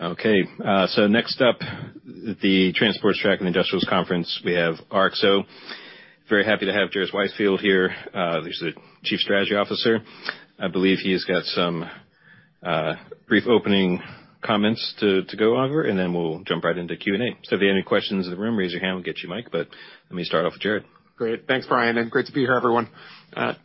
Okay, so next up, the Transport, Truck and Industrials Conference. We have RXO. Very happy to have Jared Weisfeld here. He's the Chief Strategy Officer. I believe he's got some brief opening comments to go over, and then we'll jump right into Q&A. So if you have any questions in the room, raise your hand, we'll get you a mic, but let me start off with Jared. Great. Thanks, Brian, and great to be here, everyone.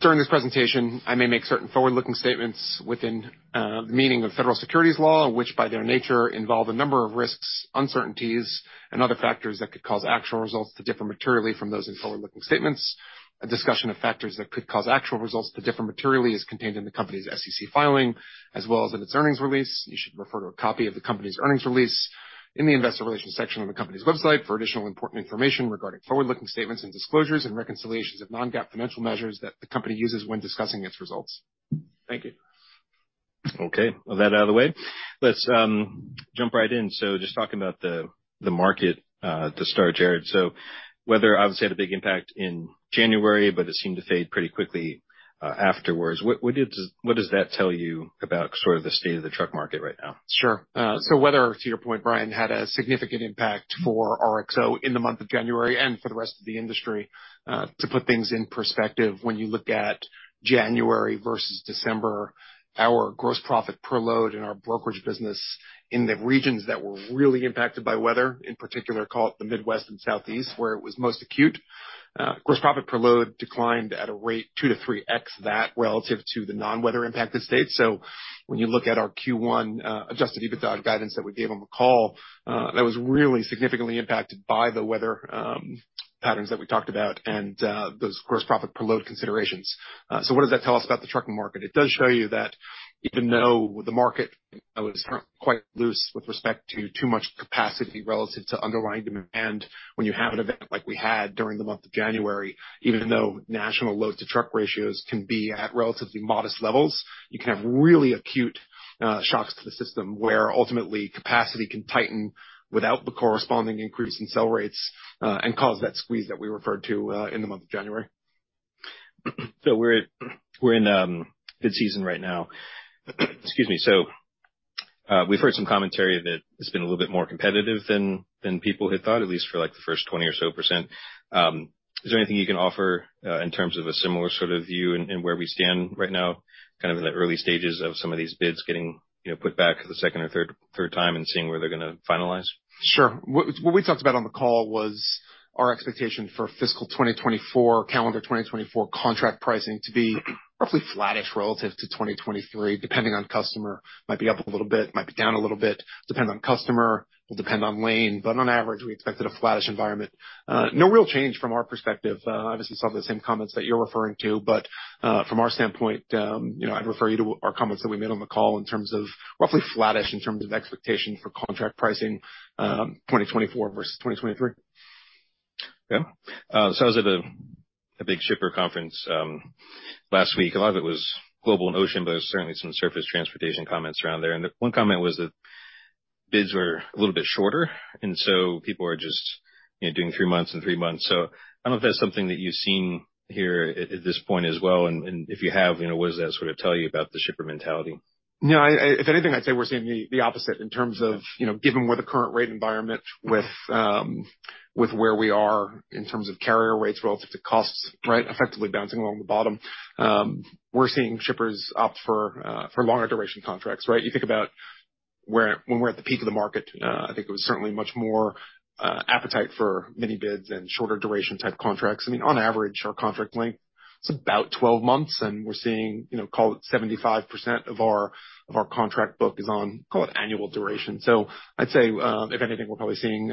During this presentation, I may make certain forward-looking statements within the meaning of federal securities law, which by their nature involve a number of risks, uncertainties, and other factors that could cause actual results to differ materially from those in forward-looking statements. A discussion of factors that could cause actual results to differ materially is contained in the company's SEC filing, as well as in its earnings release. You should refer to a copy of the company's earnings release in the Investor Relations section on the company's website for additional important information regarding forward-looking statements and disclosures and reconciliations of non-GAAP financial measures that the company uses when discussing its results. Thank you. Okay, with that out of the way, let's jump right in. So just talking about the market to start, Jared. So weather obviously had a big impact in January, but it seemed to fade pretty quickly afterwards. What does that tell you about sort of the state of the truck market right now? Sure. So weather, to your point, Brian, had a significant impact for RXO in the month of January and for the rest of the industry. To put things in perspective, when you look at January versus December, our gross profit per load in our brokerage business in the regions that were really impacted by weather, in particular, call it the Midwest and Southeast, where it was most acute, gross profit per load declined at a rate 2x-3x that relative to the non-weather impacted states. So when you look at our Q1, adjusted EBITDA guidance that we gave on the call, that was really significantly impacted by the weather, patterns that we talked about and, those gross profit per load considerations. So what does that tell us about the trucking market? It does show you that even though the market is currently quite loose with respect to too much capacity relative to underlying demand, when you have an event like we had during the month of January, even though national load to truck ratios can be at relatively modest levels, you can have really acute shocks to the system, where ultimately capacity can tighten without the corresponding increase in sell rates, and cause that squeeze that we referred to in the month of January. So we're in produce season right now. Excuse me. So we've heard some commentary that it's been a little bit more competitive than people had thought, at least for, like, the first 20% or so. Is there anything you can offer in terms of a similar sort of view and where we stand right now, kind of in the early stages of some of these bids getting, you know, put back for the second or third time and seeing where they're going to finalize? Sure. What we talked about on the call was our expectation for fiscal 2024, calendar 2024 contract pricing to be roughly flattish relative to 2023, depending on customer. Might be up a little bit, might be down a little bit, depend on customer, will depend on lane, but on average, we expected a flattish environment. No real change from our perspective. Obviously, saw the same comments that you're referring to, but from our standpoint, you know, I'd refer you to our comments that we made on the call in terms of roughly flattish in terms of expectation for contract pricing, 2024 versus 2023. Yeah. So I was at a big shipper conference last week. A lot of it was global and ocean, but there was certainly some surface transportation comments around there. And one comment was that bids were a little bit shorter, and so people are just, you know, doing three months and three months. So I don't know if that's something that you've seen here at this point as well, and if you have, you know, what does that sort of tell you about the shipper mentality? No, I if anything, I'd say we're seeing the opposite in terms of, you know, given where the current rate environment with, with where we are in terms of carrier rates relative to costs, right? Effectively bouncing along the bottom. We're seeing shippers opt for for longer duration contracts, right? You think about when we're at the peak of the market, I think it was certainly much more appetite for mini bids and shorter duration type contracts. I mean, on average, our contract length is about 12 months, and we're seeing, you know, call it 75% of our contract book is on, call it annual duration. So I'd say, if anything, we're probably seeing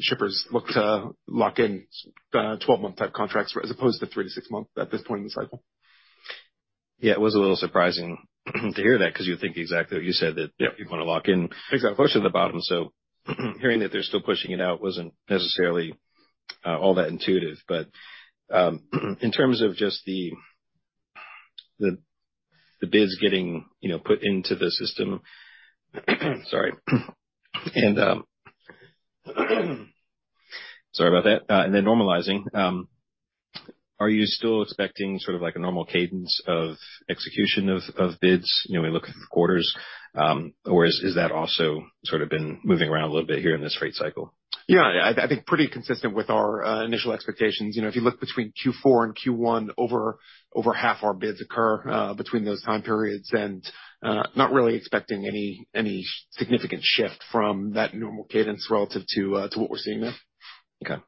shippers look to lock in 12-month type contracts as opposed to three to six months at this point in the cycle. Yeah, it was a little surprising to hear that because you think exactly what you said, that- Yeah People want to lock in- Exactly. Closer to the bottom, so hearing that they're still pushing it out wasn't necessarily all that intuitive. But, in terms of just the bids getting, you know, put into the system, sorry. And, sorry about that. And then normalizing, are you still expecting sort of like a normal cadence of execution of bids, you know, when you look at quarters, or is that also sort of been moving around a little bit here in this rate cycle? Yeah, I think pretty consistent with our initial expectations. You know, if you look between Q4 and Q1, over half our bids occur between those time periods, and not really expecting any significant shift from that normal cadence relative to what we're seeing now. Okay.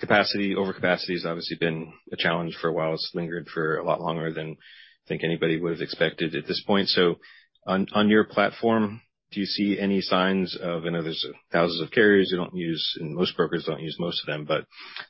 Capacity, overcapacity has obviously been a challenge for a while. It's lingered for a lot longer than I think anybody would have expected at this point. So on your platform, do you see any signs of, I know there's thousands of carriers you don't use, and most brokers don't use most of them, but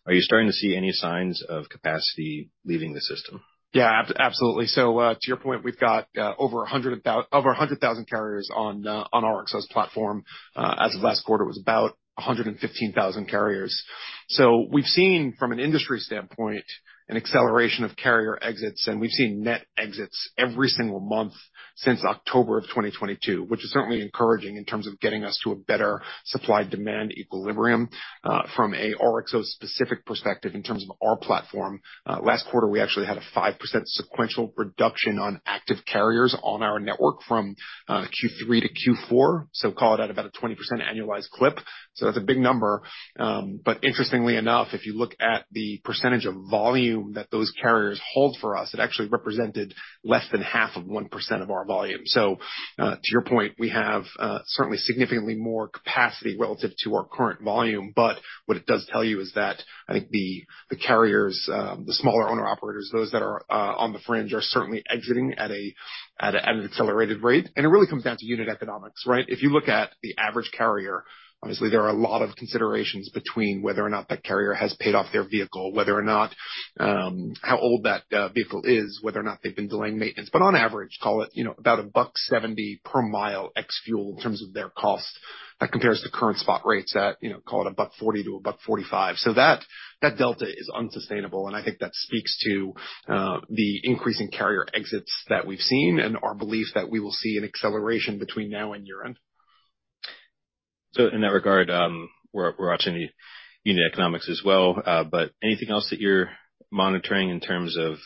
are you starting to see any signs of capacity leaving the system? Yeah, absolutely. So, to your point, we've got over 100,000 carriers on our RXO platform. As of last quarter, it was about 115,000 carriers. So we've seen, from an industry standpoint, an acceleration of carrier exits, and we've seen net exits every single month since October 2022, which is certainly encouraging in terms of getting us to a better supply-demand equilibrium. From an RXO specific perspective, in terms of our platform, last quarter, we actually had a 5% sequential reduction on active carriers on our network from Q3 to Q4, so call it at about a 20% annualized clip. So that's a big number. But interestingly enough, if you look at the percentage of volume that those carriers hold for us, it actually represented less than 0.5% of our volume. So, to your point, we have certainly significantly more capacity relative to our current volume. But what it does tell you is that I think the carriers, the smaller owner-operators, those that are on the fringe, are certainly exiting at an accelerated rate. And it really comes down to unit economics, right? If you look at the average carrier, obviously, there are a lot of considerations between whether or not that carrier has paid off their vehicle, whether or not how old that vehicle is, whether or not they've been doing maintenance. But on average, call it, you know, about $1.70 per mi ex-fuel in terms of their cost. That compares to current spot rates at, you know, call it $1.40-$1.45. So that, that delta is unsustainable, and I think that speaks to the increasing carrier exits that we've seen and our belief that we will see an acceleration between now and year-end. So in that regard, we're watching the unit economics as well. But anything else that you're monitoring in terms of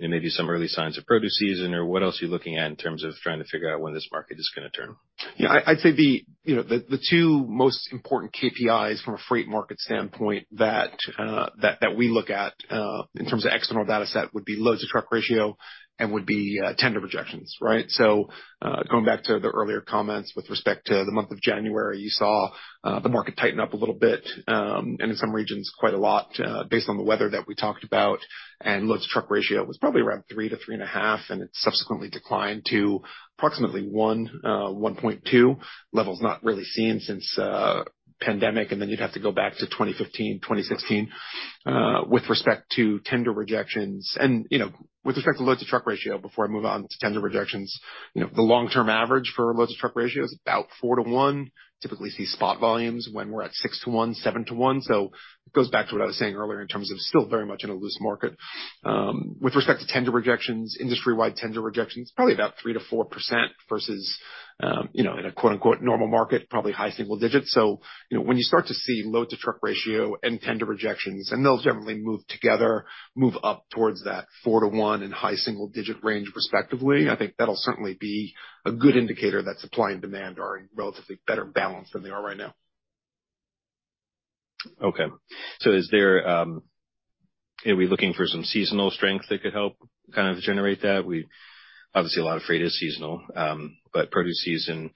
maybe some early signs of produce season, or what else are you looking at in terms of trying to figure out when this market is going to turn? Yeah, I'd say you know, the two most important KPIs from a freight market standpoint that we look at in terms of external data set would be loads to truck ratio and would be tender rejections, right? So, going back to the earlier comments with respect to the month of January, you saw the market tighten up a little bit, and in some regions, quite a lot, based on the weather that we talked about, and loads to truck ratio was probably around 3-to-3.5, and it subsequently declined to approximately 1.2, levels not really seen since pandemic, and then you'd have to go back to 2015, 2016. With respect to tender rejections and, you know, with respect to load-to-truck ratio, before I move on to tender rejections, you know, the long-term average for load-to-truck ratio is about 4-to-1. Typically, see spot volumes when we're at 6-to-1, 7-to-1. So it goes back to what I was saying earlier in terms of still very much in a loose market. With respect to tender rejections, industry-wide tender rejections, probably about 3%-4% versus, you know, in a, quote-unquote, "normal market," probably high single digits. So, you know, when you start to see load-to-truck ratio and tender rejections, and they'll generally move together, move up towards that 4-to-1 and high single-digit range respectively, I think that'll certainly be a good indicator that supply and demand are in relatively better balance than they are right now. Okay, so is there, are we looking for some seasonal strength that could help kind of generate that? Obviously, a lot of freight is seasonal, but produce season,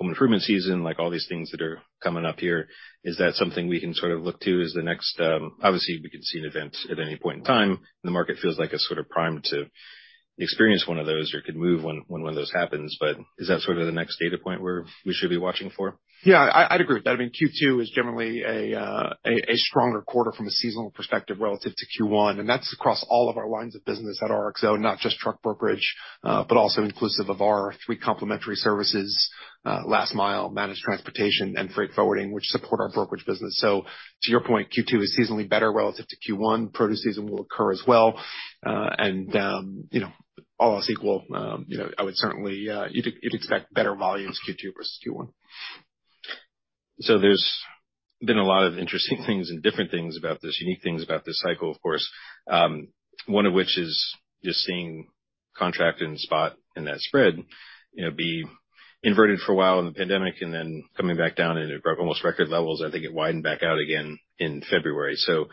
home improvement season, like all these things that are coming up here, is that something we can sort of look to as the next, obviously, we could see an event at any point in time. The market feels like it's sort of primed to experience one of those, or could move when one of those happens. But is that sort of the next data point where we should be watching for? Yeah, I'd agree with that. I mean, Q2 is generally a stronger quarter from a seasonal perspective relative to Q1, and that's across all of our lines of business at RXO, not just truck brokerage, but also inclusive of our three complementary services, last mile, managed transportation, and freight forwarding, which support our brokerage business. So to your point, Q2 is seasonally better relative to Q1. Produce season will occur as well. And, you know, all else equal, you know, I would certainly, you'd expect better volumes Q2 versus Q1. So there's been a lot of interesting things and different things about this, unique things about this cycle, of course, one of which is just seeing contract and spot and that spread, you know, be inverted for a while in the pandemic and then coming back down into almost record levels. I think it widened back out again in February. So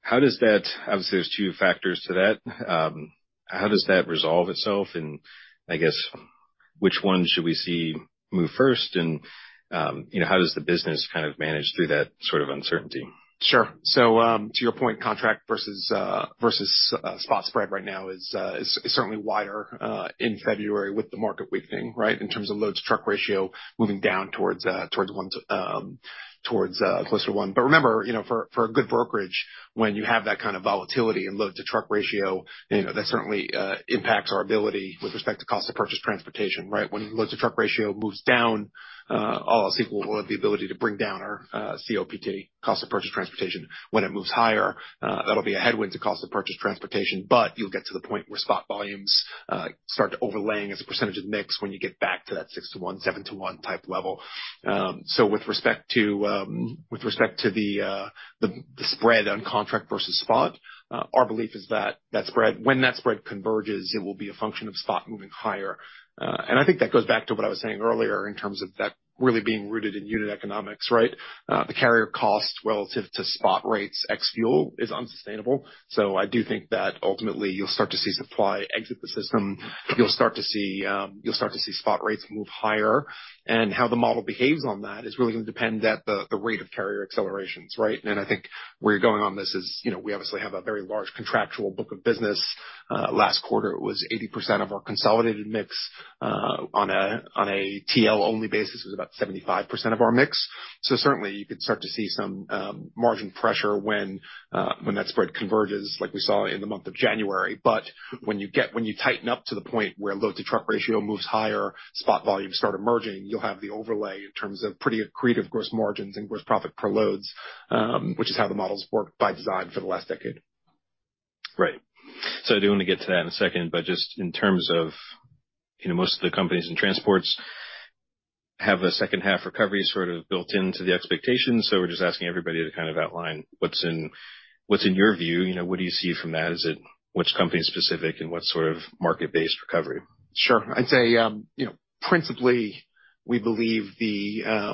how does that, obviously, there's two factors to that. How does that resolve itself, and I guess, which one should we see move first, and, you know, how does the business kind of manage through that sort of uncertainty? Sure. So, to your point, contract versus spot spread right now is certainly wider in February with the market weakening, right? In terms of load-to-truck ratio, moving down towards ones, closer to one. But remember, you know, for a good brokerage, when you have that kind of volatility in load-to-truck ratio, you know, that certainly impacts our ability with respect to cost of purchased transportation, right? When load-to-truck ratio moves down, all else equal, we'll have the ability to bring down our COPT, cost of purchased transportation. When it moves higher, that'll be a headwind to cost of purchased transportation, but you'll get to the point where spot volumes start overlaying as a percentage of mix when you get back to that 6-to-1, 7-to-1 type level. So with respect to the spread on contract versus spot, our belief is that that spread, when that spread converges, it will be a function of spot moving higher. And I think that goes back to what I was saying earlier in terms of that really being rooted in unit economics, right? The carrier cost relative to spot rates, ex-fuel, is unsustainable. So I do think that ultimately you'll start to see supply exit the system. You'll start to see spot rates move higher. And how the model behaves on that is really going to depend at the rate of carrier accelerations, right? And I think where you're going on this is, you know, we obviously have a very large contractual book of business. Last quarter, it was 80% of our consolidated mix, on a TL-only basis, was about 75% of our mix. So certainly, you could start to see some margin pressure when that spread converges, like we saw in the month of January. But when you tighten up to the point where load-to-truck ratio moves higher, spot volumes start emerging, you'll have the overlay in terms of pretty accretive gross margins and gross profit per loads, which is how the models worked by design for the last decade. Right. So I do want to get to that in a second, but just in terms of, you know, most of the companies in transports have a second half recovery sort of built into the expectations. So we're just asking everybody to kind of outline what's in, what's in your view, you know, what do you see from that? Is it which company specific and what sort of market-based recovery? Sure. I'd say, you know, principally, we believe the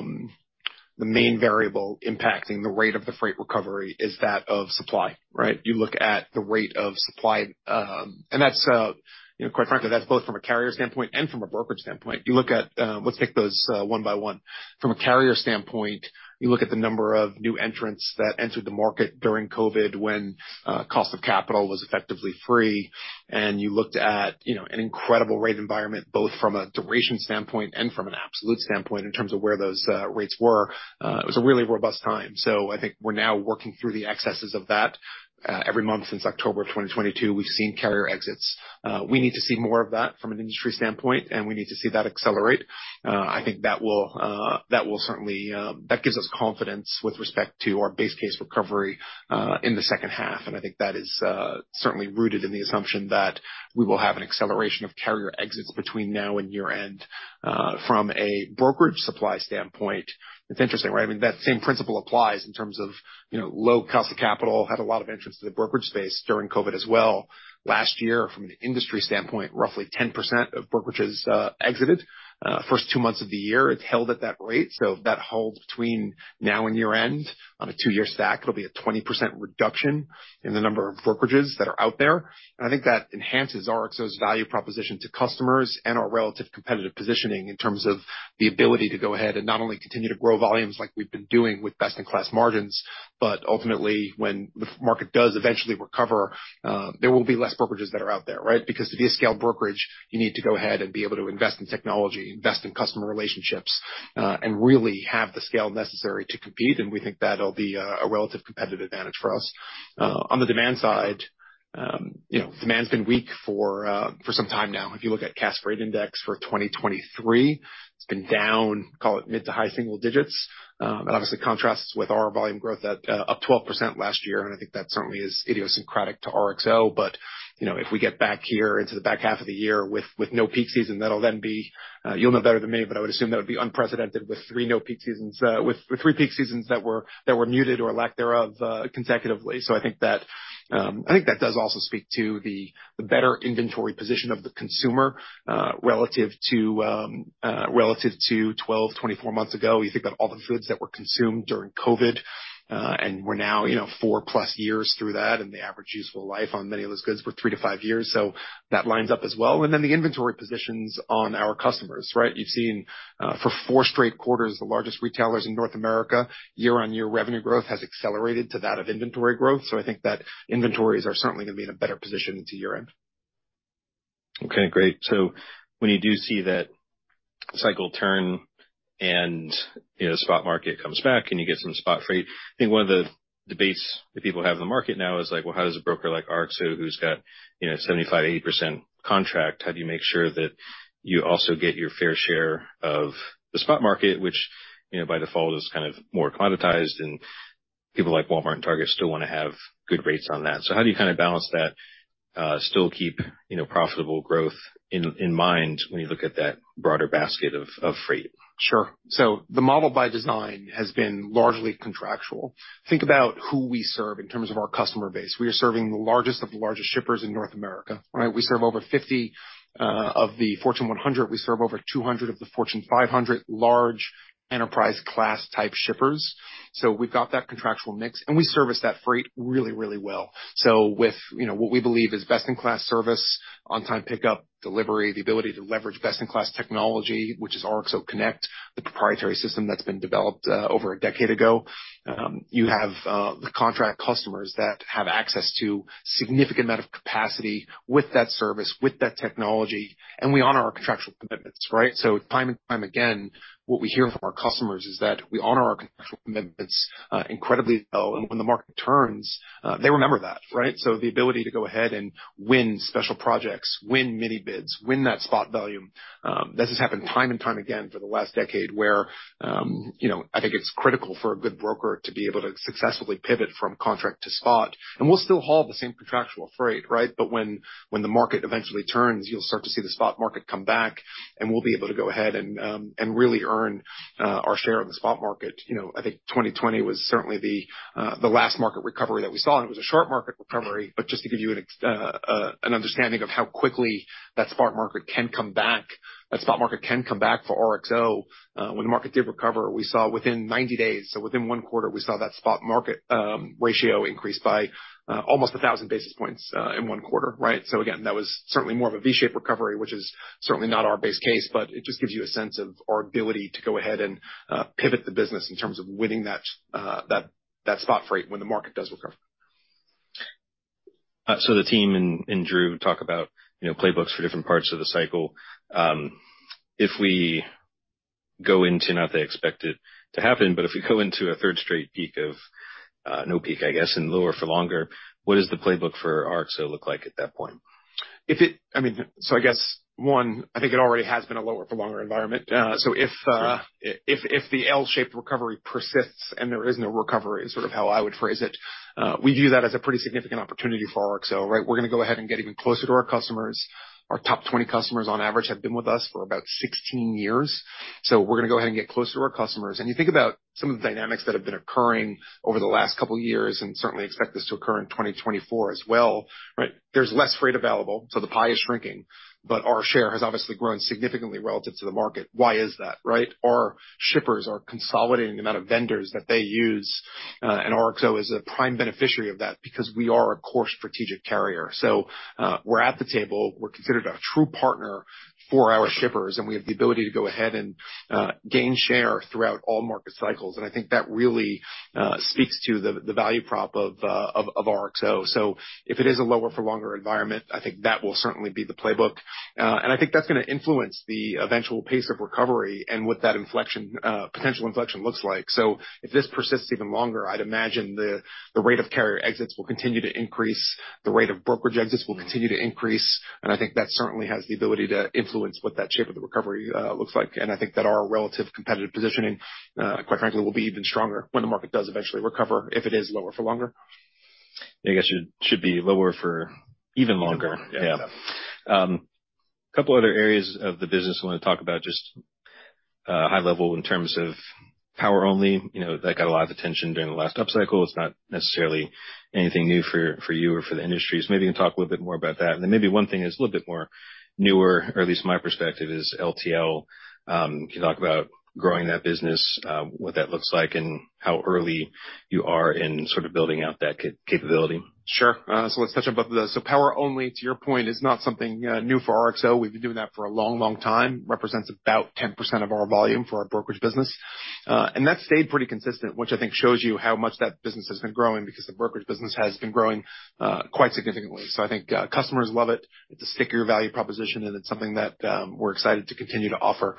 main variable impacting the rate of the freight recovery is that of supply, right? You look at the rate of supply, and that's, you know, quite frankly, that's both from a carrier standpoint and from a brokerage standpoint. You look at, let's take those, one by one. From a carrier standpoint, you look at the number of new entrants that entered the market during COVID, when, cost of capital was effectively free, and you looked at, you know, an incredible rate environment, both from a duration standpoint and from an absolute standpoint in terms of where those, rates were. It was a really robust time. So I think we're now working through the excesses of that. Every month since October of 2022, we've seen carrier exits. We need to see more of that from an industry standpoint, and we need to see that accelerate. I think that will, that will certainly. That gives us confidence with respect to our base case recovery, in the second half. And I think that is, certainly rooted in the assumption that we will have an acceleration of carrier exits between now and year-end. From a brokerage supply standpoint, it's interesting, right? I mean, that same principle applies in terms of, you know, low cost of capital, had a lot of entrants to the brokerage space during COVID as well. Last year, from an industry standpoint, roughly 10% of brokerages, exited. First two months of the year, it's held at that rate. So if that holds between now and year-end on a two-year stack, it'll be a 20% reduction in the number of brokerages that are out there. And I think that enhances RXO's value proposition to customers and our relative competitive positioning in terms of the ability to go ahead and not only continue to grow volumes like we've been doing with best-in-class margins, but ultimately, when the market does eventually recover, there will be less brokerages that are out there, right? Because to be a scale brokerage, you need to go ahead and be able to invest in technology, invest in customer relationships, and really have the scale necessary to compete, and we think that'll be a relative competitive advantage for us. On the demand side, you know, demand's been weak for some time now. If you look at Cass Freight Index for 2023, it's been down, call it, mid- to high-single digits. That obviously contrasts with our volume growth at, up 12% last year, and I think that certainly is idiosyncratic to RXO. But, you know, if we get back here into the back half of the year with no peak season, that'll then be, you'll know better than me, but I would assume that would be unprecedented with three no peak seasons, with three peak seasons that were muted or lack thereof, consecutively. So I think that, I think that does also speak to the better inventory position of the consumer, relative to 12, 24 months ago. You think about all the goods that were consumed during COVID, and we're now, you know, 4+ years through that, and the average useful life on many of those goods were three to five years. So that lines up as well. And then the inventory positions on our customers, right? You've seen, for four straight quarters, the largest retailers in North America, year-on-year revenue growth has accelerated to that of inventory growth. So I think that inventories are certainly going to be in a better position into year-end. Okay, great. So when you do see that cycle turn and, you know, spot market comes back and you get some spot freight, I think one of the debates that people have in the market now is like, well, how does a broker like RXO, who's got, you know, 75%-80% contract, how do you make sure that you also get your fair share of the spot market, which, you know, by default, is kind of more commoditized, and people like Walmart and Target still want to have good rates on that. So how do you kind of balance that, still keep, you know, profitable growth in mind when you look at that broader basket of freight? Sure. So the model by design has been largely contractual. Think about who we serve in terms of our customer base. We are serving the largest of the largest shippers in North America, right? We serve over 50 of the Fortune 100. We serve over 200 of the Fortune 500 large enterprise class type shippers. So we've got that contractual mix, and we service that freight really, really well. So with, you know, what we believe is best-in-class service, on-time pickup, delivery, the ability to leverage best-in-class technology, which is RXO Connect, the proprietary system that's been developed over a decade ago. You have the contract customers that have access to significant amount of capacity with that service, with that technology, and we honor our contractual commitments, right? Time and time again, what we hear from our customers is that we honor our contractual commitments incredibly well, and when the market turns, they remember that, right? The ability to go ahead and win special projects, win mini bids, win that spot volume, this has happened time and time again for the last decade, where, you know, I think it's critical for a good broker to be able to successfully pivot from contract to spot. We'll still haul the same contractual freight, right? But when the market eventually turns, you'll start to see the spot market come back, and we'll be able to go ahead and really earn our share of the spot market. You know, I think 2020 was certainly the last market recovery that we saw, and it was a short market recovery. But just to give you an understanding of how quickly that spot market can come back, that spot market can come back for RXO. When the market did recover, we saw within 90 days, so within one quarter, we saw that spot market ratio increase by almost 1,000 basis points in one quarter, right? So again, that was certainly more of a V-shaped recovery, which is certainly not our base case, but it just gives you a sense of our ability to go ahead and pivot the business in terms of winning that spot freight when the market does recover. So the team and Drew talk about, you know, playbooks for different parts of the cycle. If we go into, not that I expect it to happen, but if we go into a third straight peak of no peak, I guess, and lower for longer, what does the playbook for RXO look like at that point? If it, I mean, so I guess, one, I think it already has been a lower for longer environment. So if the L-shaped recovery persists and there is no recovery, is sort of how I would phrase it, we view that as a pretty significant opportunity for RXO, right? We're gonna go ahead and get even closer to our customers. Our top 20 customers, on average, have been with us for about 16 years, so we're gonna go ahead and get closer to our customers. And you think about some of the dynamics that have been occurring over the last couple years, and certainly expect this to occur in 2024 as well, right? There's less freight available, so the pie is shrinking, but our share has obviously grown significantly relative to the market. Why is that, right? Our shippers are consolidating the amount of vendors that they use, and RXO is a prime beneficiary of that because we are a core strategic carrier. So, we're at the table. We're considered a true partner for our shippers, and we have the ability to go ahead and gain share throughout all market cycles. And I think that really speaks to the value prop of RXO. So if it is a lower for longer environment, I think that will certainly be the playbook. And I think that's gonna influence the eventual pace of recovery and what that inflection potential inflection looks like. So if this persists even longer, I'd imagine the rate of carrier exits will continue to increase, the rate of brokerage exits will continue to increase, and I think that certainly has the ability to influence what that shape of the recovery looks like. And I think that our relative competitive positioning, quite frankly, will be even stronger when the market does eventually recover, if it is lower for longer. I guess, should be lower for even longer. Even longer. Yeah. A couple other areas of the business I want to talk about, just high level in terms of power only. You know, that got a lot of attention during the last upcycle. It's not necessarily anything new for you or for the industry. Maybe you can talk a little bit more about that. And then maybe one thing that's a little bit more newer, or at least my perspective, is LTL. Can you talk about growing that business, what that looks like and how early you are in sort of building out that capability? Sure. So let's touch on both of those. So power only, to your point, is not something new for RXO. We've been doing that for a long, long time. Represents about 10% of our volume for our brokerage business. And that's stayed pretty consistent, which I think shows you how much that business has been growing, because the brokerage business has been growing quite significantly. So I think customers love it. It's a stickier value proposition, and it's something that we're excited to continue to offer.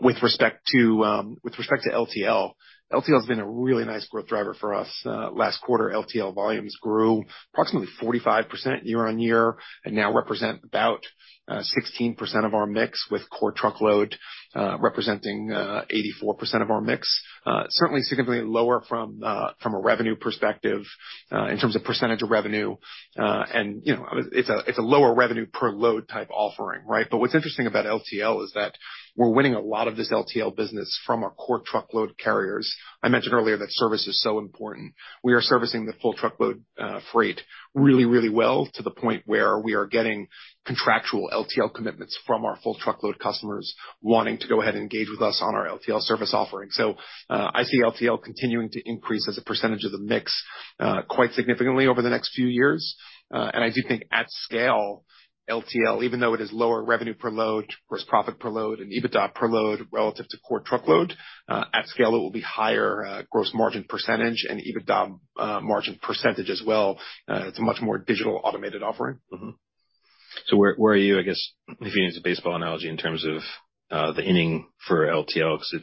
With respect to LTL, LTL has been a really nice growth driver for us. Last quarter, LTL volumes grew approximately 45% year-over-year and now represent about 16% of our mix, with core truckload representing 84% of our mix. Certainly significantly lower from a revenue perspective, in terms of percentage of revenue. And, you know, it's a, it's a lower revenue per load type offering, right? But what's interesting about LTL is that we're winning a lot of this LTL business from our core truckload carriers. I mentioned earlier that service is so important. We are servicing the full truckload freight really, really well, to the point where we are getting contractual LTL commitments from our full truckload customers wanting to go ahead and engage with us on our LTL service offering. So, I see LTL continuing to increase as a percentage of the mix, quite significantly over the next few years. I do think at scale, LTL, even though it is lower revenue per load, gross profit per load, and EBITDA per load relative to core truckload, at scale, it will be higher, gross margin percentage and EBITDA, margin percentage as well. It's a much more digital automated offering. Mm-hmm. So where, where are you, I guess, if you need a baseball analogy, in terms of the inning for LTL? Because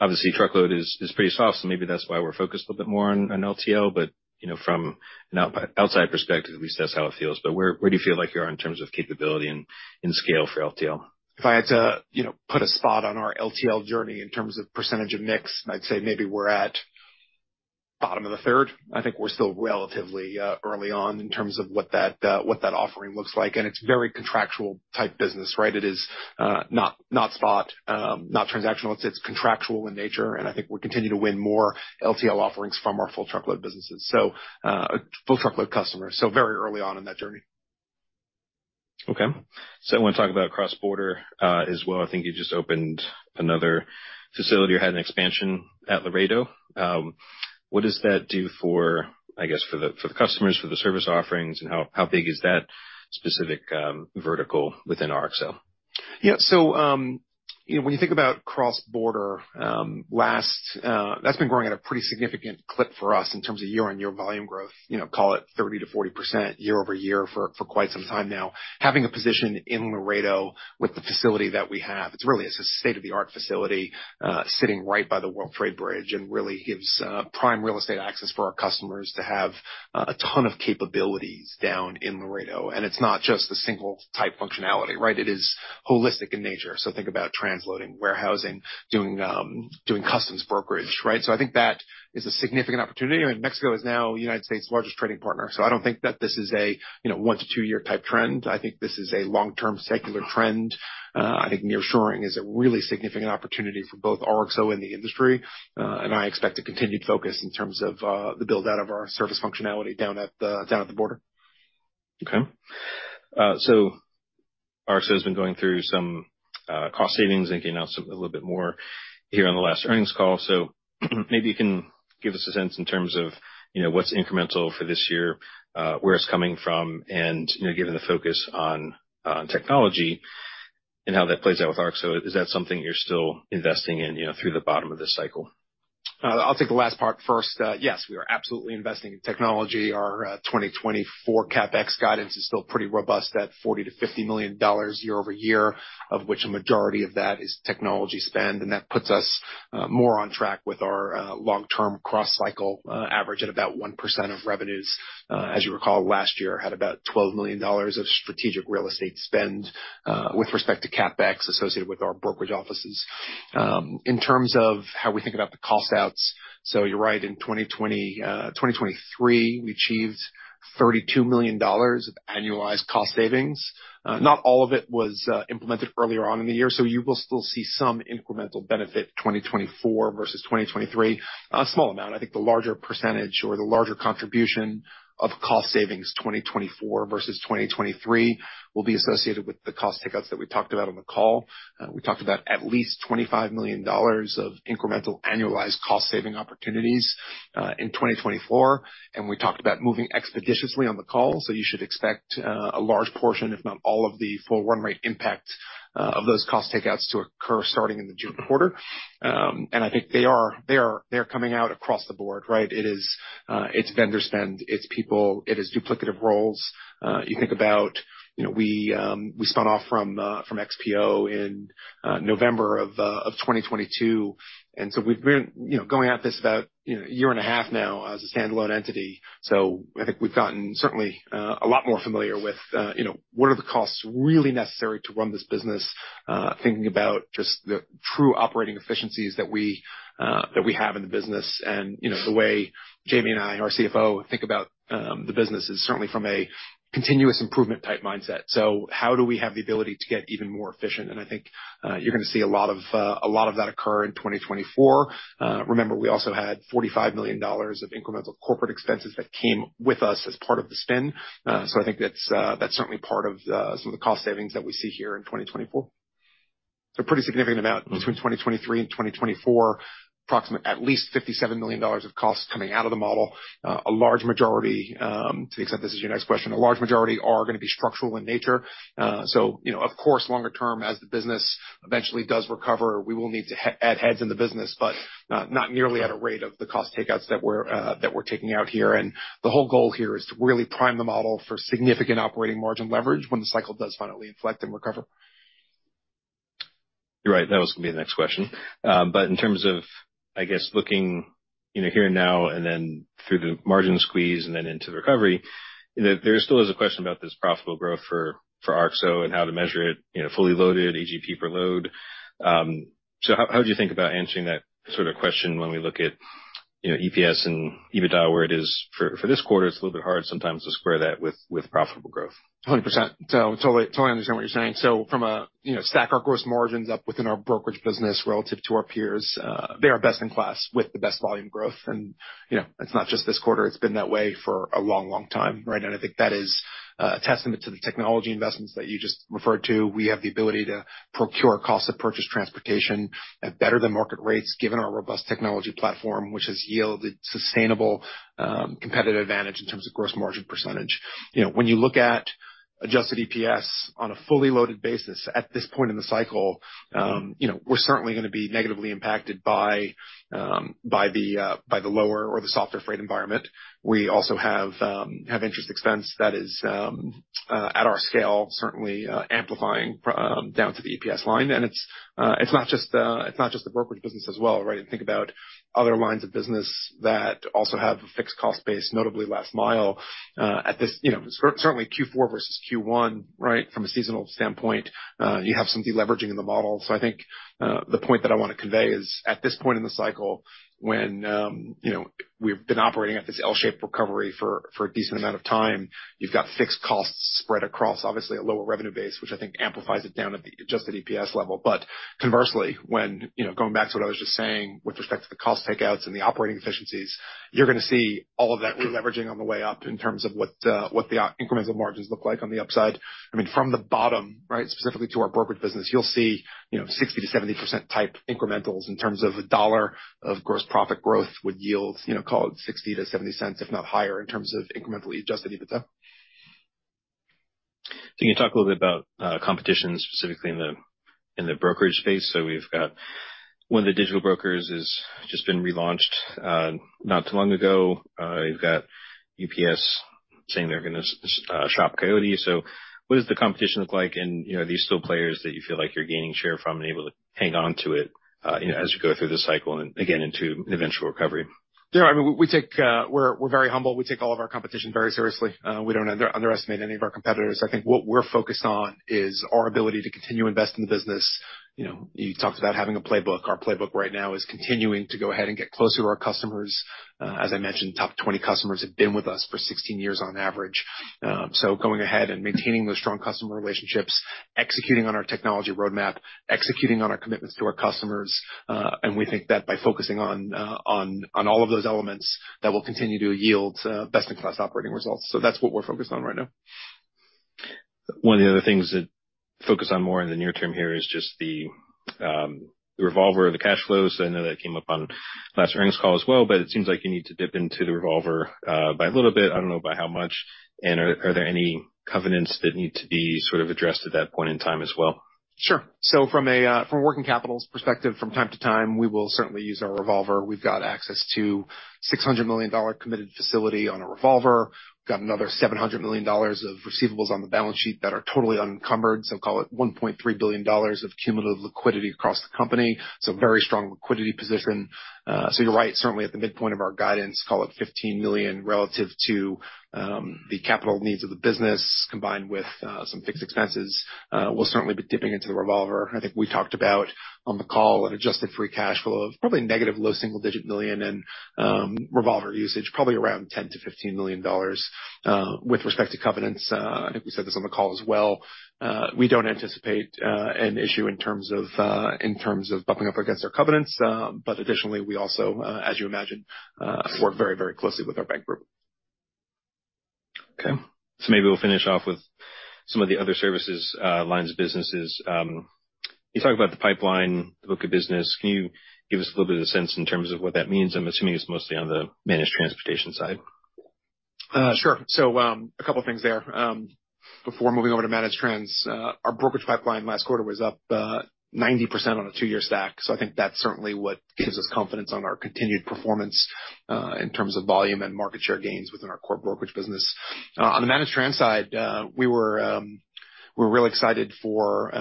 obviously truckload is pretty soft, so maybe that's why we're focused a little bit more on LTL, but you know, from an outside perspective, at least that's how it feels. But where, where do you feel like you are in terms of capability and scale for LTL? If I had to, you know, put a spot on our LTL journey in terms of percentage of mix, I'd say maybe we're at bottom of the third. I think we're still relatively early on in terms of what that offering looks like, and it's very contractual type business, right? It is not spot, not transactional. It's contractual in nature, and I think we're continuing to win more LTL offerings from our full truckload businesses, so full truckload customers. So very early on in that journey. Okay. So I want to talk about cross-border, as well. I think you just opened another facility or had an expansion at Laredo. What does that do for, I guess, for the customers, for the service offerings, and how big is that specific vertical within RXO? Yeah. So, you know, when you think about cross-border last, that's been growing at a pretty significant clip for us in terms of year-on-year volume growth. You know, call it 30%-40% year-over-year for quite some time now. Having a position in Laredo with the facility that we have, it's really a state-of-the-art facility sitting right by the World Trade Bridge, and really gives prime real estate access for our customers to have a ton of capabilities down in Laredo. And it's not just a single type functionality, right? It is holistic in nature. So think about transloading, warehousing, doing doing customs brokerage, right? So I think that is a significant opportunity, and Mexico is now United States' largest trading partner, so I don't think that this is a you know, one to two year type trend. I think this is a long-term secular trend. I think nearshoring is a really significant opportunity for both RXO and the industry. And I expect a continued focus in terms of the build-out of our service functionality down at the border. Okay. So RXO has been going through some cost savings and getting out a little bit more here on the last earnings call. So maybe you can give us a sense in terms of, you know, what's incremental for this year, where it's coming from, and, you know, given the focus on technology and how that plays out with RXO, is that something you're still investing in, you know, through the bottom of this cycle? I'll take the last part first. Yes, we are absolutely investing in technology. Our 2024 CapEx guidance is still pretty robust, at $40 million-$50 million year-over-year, of which a majority of that is technology spend, and that puts us more on track with our long-term cross-cycle average at about 1% of revenues. As you recall, last year had about $12 million of strategic real estate spend with respect to CapEx associated with our brokerage offices. In terms of how we think about the cost outs, so you're right, in 2023, we achieved $32 million of annualized cost savings. Not all of it was implemented earlier on in the year, so you will still see some incremental benefit, 2024 versus 2023. A small amount. I think the larger percentage or the larger contribution of cost savings, 2024 versus 2023, will be associated with the cost takeouts that we talked about on the call. We talked about at least $25 million of incremental annualized cost saving opportunities in 2024, and we talked about moving expeditiously on the call. So you should expect a large portion, if not all, of the full run rate impact of those cost takeouts to occur starting in the June quarter. And I think they are coming out across the board, right? It is it's vendor spend, it's people, it is duplicative roles. You think about, you know, we, we spun off from, from XPO in, November of, of 2022, and so we've been, you know, going at this about, you know, a year and a half now as a standalone entity. So I think we've gotten certainly, a lot more familiar with, you know, what are the costs really necessary to run this business? Thinking about just the true operating efficiencies that we, that we have in the business. And, you know, the way Jamie and I, and our CEO, think about, the business is certainly from a continuous improvement type mindset. So how do we have the ability to get even more efficient? And I think, you're gonna see a lot of, a lot of that occur in 2024. Remember, we also had $45 million of incremental corporate expenses that came with us as part of the spin. So I think that's, that's certainly part of some of the cost savings that we see here in 2024. So pretty significant amount between 2023 and 2024, approximately at least $57 million of costs coming out of the model. A large majority, to the extent this is your next question, a large majority are gonna be structural in nature. So, you know, of course, longer term, as the business eventually does recover, we will need to add heads in the business, but, not nearly at a rate of the cost takeouts that we're, that we're taking out here. The whole goal here is to really prime the model for significant operating margin leverage when the cycle does finally inflect and recover. You're right, that was gonna be the next question. But in terms of, I guess, looking, you know, here and now, and then through the margin squeeze, and then into the recovery, there still is a question about this profitable growth for RXO and how to measure it, you know, fully loaded, AGP per load. So how would you think about answering that sort of question when we look at, you know, EPS and EBITDA, where it is for this quarter? It's a little bit hard sometimes to square that with profitable growth. 100%. So totally, totally understand what you're saying. So from a, you know, stack our gross margins up within our brokerage business relative to our peers, they are best in class with the best volume growth, and, you know, it's not just this quarter, it's been that way for a long, long time, right? And I think that is a testament to the technology investments that you just referred to. We have the ability to procure cost of purchased transportation at better than market rates, given our robust technology platform, which has yielded sustainable, competitive advantage in terms of gross margin percentage. You know, when you look at adjusted EPS on a fully loaded basis at this point in the cycle, you know, we're certainly gonna be negatively impacted by, by the, by the lower or the softer freight environment. We also have interest expense that is at our scale, certainly amplifying down to the EPS line. And it's not just the brokerage business as well, right? Think about other lines of business that also have a fixed cost base, notably last mile at this. You know, certainly Q4 versus Q1, right, from a seasonal standpoint, you have some deleveraging in the model. So I think the point that I want to convey is, at this point in the cycle, when, you know, we've been operating at this L-shaped recovery for a decent amount of time, you've got fixed costs spread across, obviously, a lower revenue base, which I think amplifies it down at the adjusted EPS level. But conversely, when, you know, going back to what I was just saying with respect to the cost takeouts and the operating efficiencies, you're gonna see all of that releveraging on the way up in terms of what the incremental margins look like on the upside. I mean, from the bottom, right, specifically to our brokerage business, you'll see, you know, 60%-70% type incrementals in terms of $1 of gross profit growth would yield, you know, call it $0.60-$0.70, if not higher, in terms of incremental adjusted EBITDA. Can you talk a little bit about, competition, specifically in the, in the brokerage space? So we've got one of the digital brokers has just been relaunched, not too long ago. You've got UPS saying they're gonna, shop Coyote. So what does the competition look like? And, you know, are these still players that you feel like you're gaining share from and able to hang on to it, you know, as you go through this cycle and again, into an eventual recovery? Yeah, I mean, we take, we're very humble. We take all of our competition very seriously. We don't underestimate any of our competitors. I think what we're focused on is our ability to continue to invest in the business. You know, you talked about having a playbook. Our playbook right now is continuing to go ahead and get closer to our customers. As I mentioned, top 20 customers have been with us for 16 years on average. So going ahead and maintaining those strong customer relationships, executing on our technology roadmap, executing on our commitments to our customers, and we think that by focusing on all of those elements, that will continue to yield best-in-class operating results. So that's what we're focused on right now. One of the other things that focus on more in the near term here is just the revolver and the cash flows. I know that came up on last earnings call as well, but it seems like you need to dip into the revolver by a little bit. I don't know by how much. And are there any covenants that need to be sort of addressed at that point in time as well? Sure. So from a working capital's perspective, from time to time, we will certainly use our revolver. We've got access to $600 million committed facility on a revolver. We've got another $700 million of receivables on the balance sheet that are totally unencumbered, so call it $1.3 billion of cumulative liquidity across the company. So very strong liquidity position. So you're right, certainly at the midpoint of our guidance, call it $15 million relative to the capital needs of the business, combined with some fixed expenses, we'll certainly be dipping into the revolver. I think we talked about on the call an adjusted free cash flow of probably negative low single-digit million and revolver usage, probably around $10-$15 million. With respect to covenants, I think we said this on the call as well. We don't anticipate an issue in terms of bumping up against our covenants. But additionally, we also, as you imagine, work very, very closely with our bank group. Okay. So maybe we'll finish off with some of the other services, lines of businesses. You talk about the pipeline, the book of business. Can you give us a little bit of a sense in terms of what that means? I'm assuming it's mostly on the managed transportation side. Sure. So, a couple of things there. Before moving over to managed trans, our brokerage pipeline last quarter was up 90% on a two-year stack. So I think that's certainly what gives us confidence on our continued performance in terms of volume and market share gains within our core brokerage business. On the managed trans side, we were, we're really excited for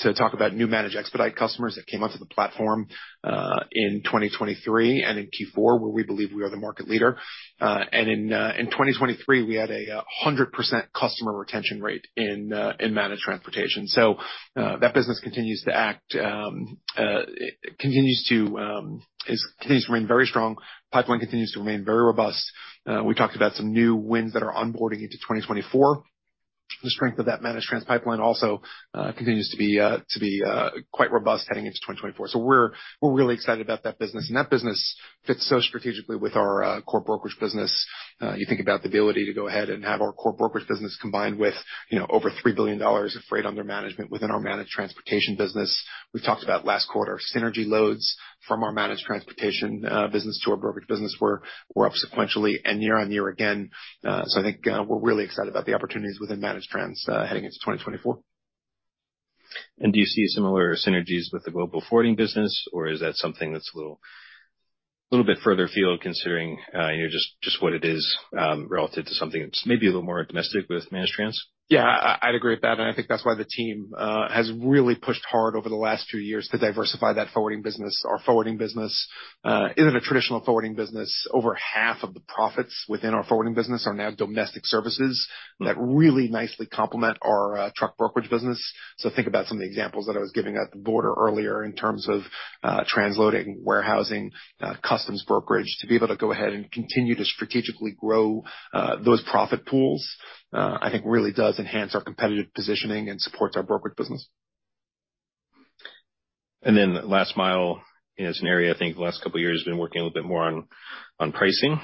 to talk about new managed expedite customers that came onto the platform in 2023 and in Q4, where we believe we are the market leader. And in 2023, we had a 100% customer retention rate in managed transportation. So, that business continues to remain very strong. Pipeline continues to remain very robust. We talked about some new wins that are onboarding into 2024. The strength of that managed trans pipeline also continues to be quite robust heading into 2024. So we're really excited about that business, and that business fits so strategically with our core brokerage business. You think about the ability to go ahead and have our core brokerage business combined with, you know, over $3 billion of freight under management within our managed transportation business. We've talked about last quarter, synergy loads from our managed transportation business to our brokerage business were up sequentially and year-over-year again. So I think we're really excited about the opportunities within managed trans heading into 2024. Do you see similar synergies with the global forwarding business, or is that something that's a little bit further afield, considering, you know, just, just what it is relative to something that's maybe a little more domestic with managed trans? Yeah, I'd agree with that, and I think that's why the team has really pushed hard over the last two years to diversify that forwarding business. Our forwarding business isn't a traditional forwarding business. Over half of the profits within our forwarding business are now domestic services that really nicely complement our truck brokerage business. So think about some of the examples that I was giving at the border earlier in terms of transloading, warehousing, customs brokerage. To be able to go ahead and continue to strategically grow those profit pools, I think really does enhance our competitive positioning and supports our brokerage business. Then Last Mile is an area, I think, the last couple of years, been working a little bit more on pricing.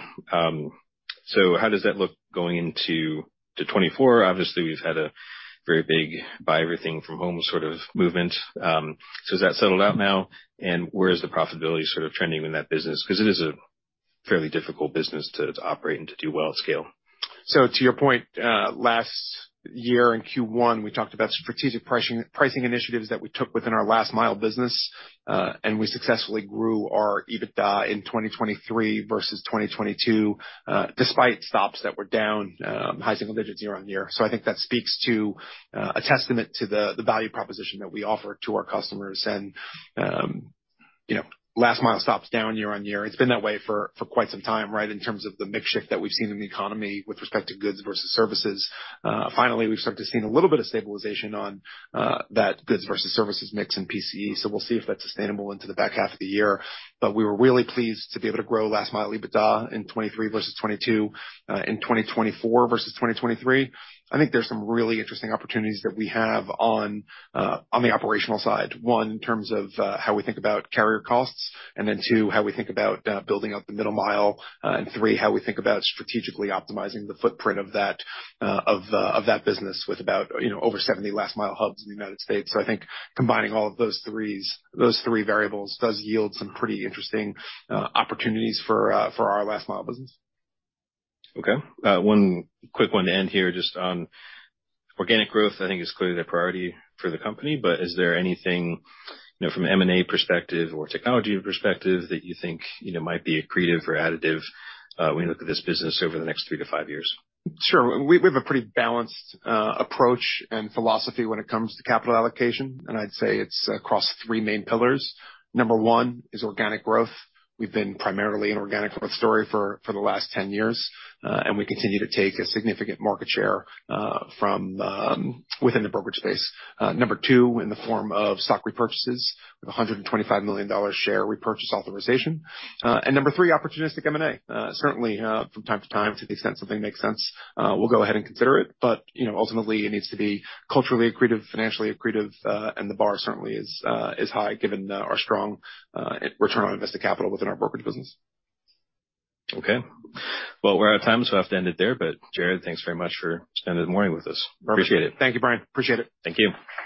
So how does that look going into 2024? Obviously, we've had a very big buy everything from home sort of movement. So has that settled out now? And where is the profitability sort of trending in that business? Because it is a fairly difficult business to operate and to do well at scale. So to your point, last year in Q1, we talked about strategic pricing, pricing initiatives that we took within our Last Mile business, and we successfully grew our EBITDA in 2023 versus 2022, despite stops that were down high single digits year-on-year. So I think that speaks to a testament to the value proposition that we offer to our customers. And you know, Last Mile stops down year-on-year. It's been that way for quite some time, right? In terms of the mix shift that we've seen in the economy with respect to goods versus services. Finally, we've started to seen a little bit of stabilization on that goods versus services mix in PCE, so we'll see if that's sustainable into the back half of the year. But we were really pleased to be able to grow Last Mile EBITDA in 2023 versus 2022, in 2024 versus 2023. I think there's some really interesting opportunities that we have on, on the operational side. One, in terms of, how we think about carrier costs, and then two, how we think about, building out the Middle Mile, and three, how we think about strategically optimizing the footprint of that, of, of that business with about, you know, over 70 Last Mile hubs in the United States. So I think combining all of those threes, those three variables does yield some pretty interesting, opportunities for, for our Last Mile business. Okay. One quick one to end here, just on organic growth, I think is clearly a priority for the company, but is there anything, you know, from M&A perspective or technology perspective that you think, you know, might be accretive or additive, when you look at this business over the next three to five years? Sure. We have a pretty balanced approach and philosophy when it comes to capital allocation, and I'd say it's across three main pillars. Number one is organic growth. We've been primarily an organic growth story for the last 10 years, and we continue to take a significant market share from within the brokerage space. Number two, in the form of stock repurchases, with a $125 million share repurchase authorization. And number three, opportunistic M&A. Certainly, from time to time, to the extent something makes sense, we'll go ahead and consider it, but you know, ultimately, it needs to be culturally accretive, financially accretive, and the bar certainly is high, given our strong return on invested capital within our brokerage business. Okay. Well, we're out of time, so I have to end it there. But Jared, thanks very much for spending the morning with us. Appreciate it. Thank you, Brian. Appreciate it. Thank you.